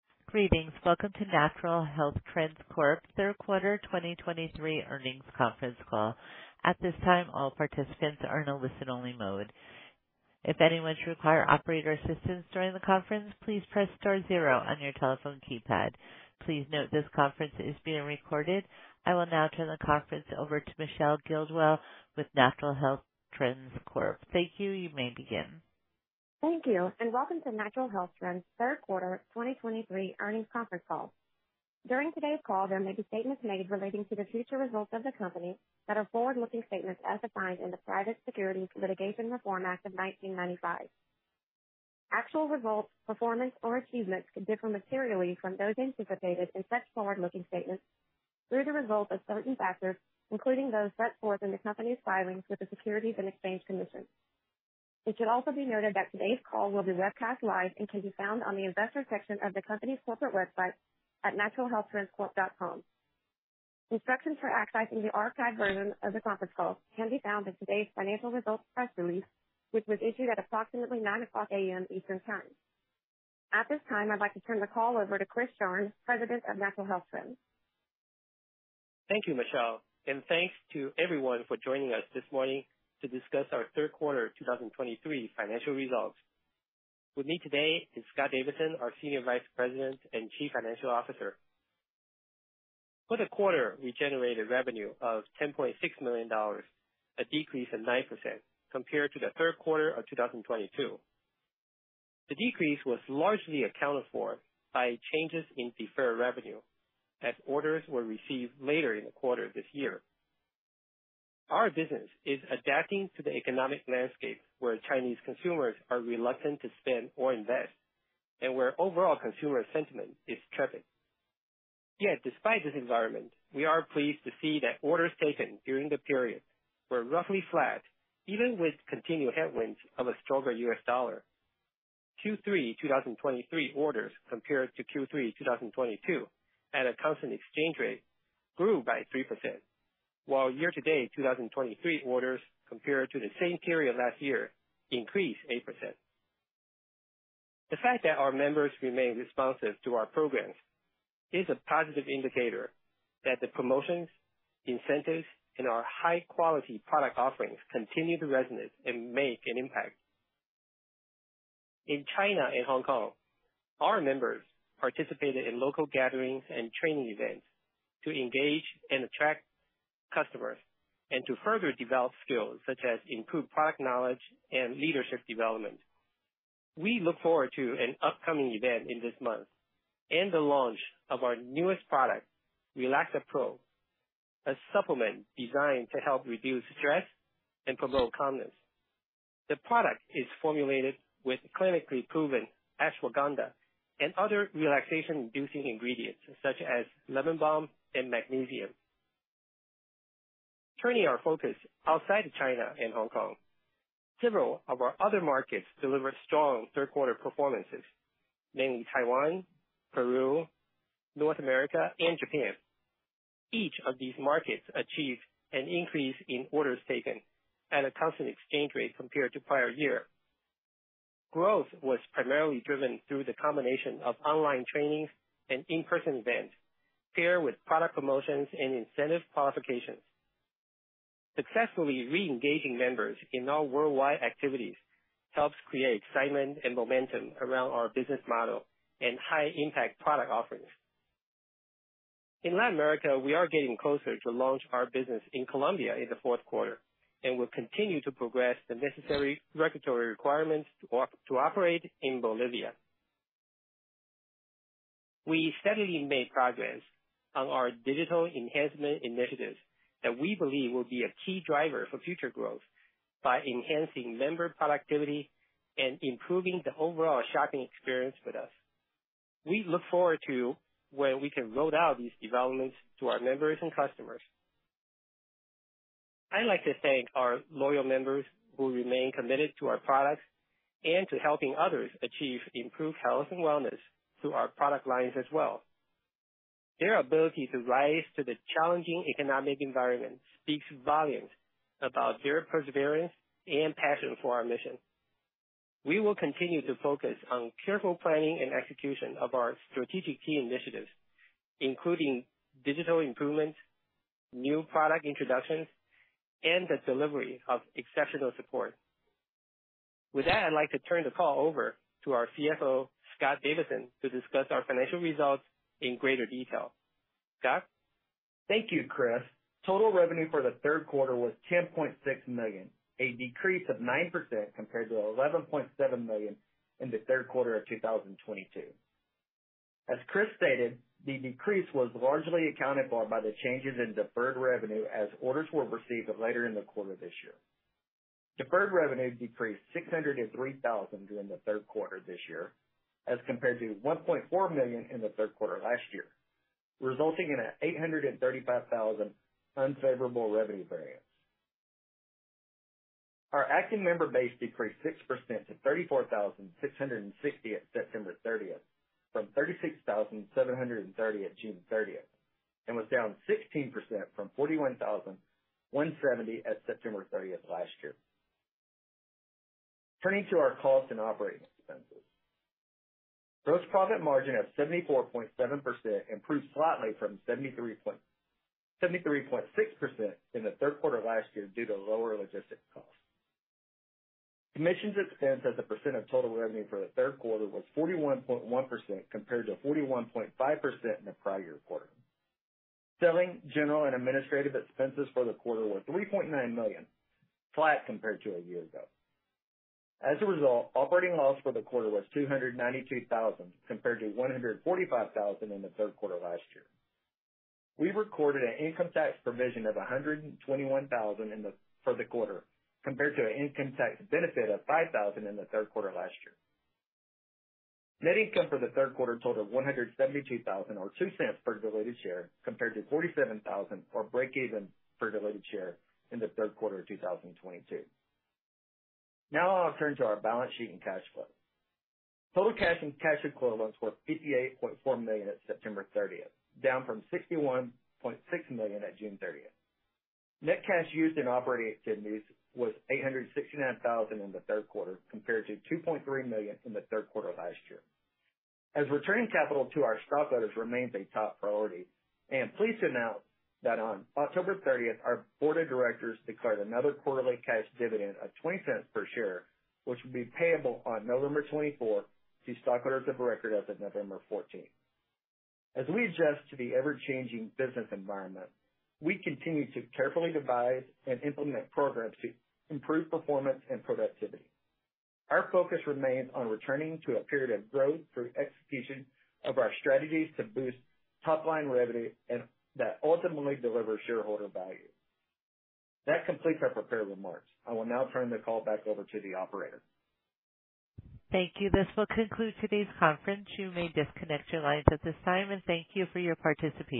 Greetings. Welcome to Natural Health Trends Corp's Q3 2023 earnings conference call. At this time, all participants are in a listen-only mode. If anyone should require operator assistance during the conference, please press star zero on your telephone keypad. Please note this conference is being recorded. I will now turn the conference over to Michelle Glidewell with Natural Health Trends Corp. Thank you. You may begin. Thank you, and welcome to Natural Health Trends' Q3 2023 earnings conference call. During today's call, there may be statements made relating to the future results of the company that are forward-looking statements as defined in the Private Securities Litigation Reform Act of 1995. Actual results, performance, or achievements could differ materially from those anticipated in such forward-looking statements due to the result of certain factors, including those set forth in the company's filings with the Securities and Exchange Commission. It should also be noted that today's call will be webcast live and can be found on the investor section of the company's corporate website at naturalhealthtrendscorp.com. Instructions for accessing the archived version of the conference call can be found in today's financial results press release, which was issued at approximately 9:00 A.M. Eastern Time. At this time, I'd like to turn the call over to Chris Sharng, President of Natural Health Trends. Thank you, Michelle, and thanks to everyone for joining us this morning to discuss our Q3 2023 financial results. With me today is Scott Davidson, our Senior Vice President and Chief Financial Officer. For the quarter, we generated revenue of $10.6 million, a decrease of 9% compared to the Q3 of 2022. The decrease was largely accounted for by changes in deferred revenue, as orders were received later in the quarter this year. Our business is adapting to the economic landscape, where Chinese consumers are reluctant to spend or invest and where overall consumer sentiment is dipping. Yet, despite this environment, we are pleased to see that orders taken during the period were roughly flat, even with continued headwinds of a stronger U.S. dollar. Q3 2023 orders compared to Q3 2022 at a constant exchange rate grew by 3%, while year-to-date 2023 orders compared to the same period last year increased 8%. The fact that our members remain responsive to our programs is a positive indicator that the promotions, incentives, and our high-quality product offerings continue to resonate and make an impact. In China and Hong Kong, our members participated in local gatherings and training events to engage and attract customers and to further develop skills such as improved product knowledge and leadership development. We look forward to an upcoming event in this month and the launch of our newest product, RelaxaPro, a supplement designed to help reduce stress and promote calmness. The product is formulated with clinically proven ashwagandha and other relaxation-inducing ingredients, such as lemon balm and magnesium. Turning our focus outside China and Hong Kong, several of our other markets delivered strong Q3 performances, namely Taiwan, Peru, North America, and Japan. Each of these markets achieved an increase in orders taken at a constant exchange rate compared to prior year. Growth was primarily driven through the combination of online trainings and in-person events, paired with product promotions and incentive qualifications. Successfully re-engaging members in our worldwide activities helps create excitement and momentum around our business model and high-impact product offerings. In Latin America, we are getting closer to launch our business in Colombia in the Q4 and will continue to progress the necessary regulatory requirements to operate in Bolivia. We steadily made progress on our digital enhancement initiatives that we believe will be a key driver for future growth by enhancing member productivity and improving the overall shopping experience with us. We look forward to when we can roll out these developments to our members and customers. I'd like to thank our loyal members who remain committed to our products and to helping others achieve improved health and wellness through our product lines as well. Their ability to rise to the challenging economic environment speaks volumes about their perseverance and passion for our mission. We will continue to focus on careful planning and execution of our strategic key initiatives, including digital improvements, new product introductions, and the delivery of exceptional support. With that, I'd like to turn the call over to our CFO, Scott Davidson, to discuss our financial results in greater detail. Scott? Thank you, Chris. Total revenue for the Q3 was $10.6 million, a decrease of 9% compared to $11.7 million in the Q3 of 2022. As Chris stated, the decrease was largely accounted for by the changes in deferred revenue, as orders were received later in the quarter this year. Deferred revenue decreased $603,000 during the Q3 this year, as compared to $1.4 million in the Q3 last year, resulting in an $835,000 unfavorable revenue variance. Our active member base decreased 6% to 34,660 at September 30, from 36,730 at June 30, and was down 16% from 41,170 at September 30 last year. Turning to our cost and operating expenses. Gross profit margin of 74.7% improved slightly from 73.6% in the Q3 of last year due to lower logistics costs. Commissions expense as a percent of total revenue for the Q3 was 41.1%, compared to 41.5% in the prior year quarter. Selling, general, and administrative expenses for the quarter were $3.9 million, flat compared to a year ago. As a result, operating loss for the quarter was $292,000, compared to $145,000 in the Q3 last year. We recorded an income tax provision of $121,000 for the quarter, compared to an income tax benefit of $5,000 in the Q3 last year. Net income for the Q3 totaled $172,000 or $0.02 per diluted share, compared to $47,000 or breakeven per diluted share in the Q3 of 2022. Now I'll turn to our balance sheet and cash flow. Total cash and cash equivalents were $58.4 million at September 30th, down from $61.6 million at June 30th. Net cash used in operating activities was $869,000 in the Q3, compared to $2.3 million in the Q3 of last year. As returning capital to our stockholders remains a top priority, I am pleased to announce that on October 30th, our board of directors declared another quarterly cash dividend of $0.20 per share, which will be payable on November 24th to stockholders of record as of November 14th. As we adjust to the ever-changing business environment, we continue to carefully devise and implement programs to improve performance and productivity. Our focus remains on returning to a period of growth through execution of our strategies to boost top line revenue and that ultimately delivers shareholder value. That completes my prepared remarks. I will now turn the call back over to the operator. Thank you. This will conclude today's conference. You may disconnect your lines at this time, and thank you for your participation.